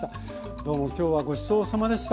どうも今日はごちそうさまでした。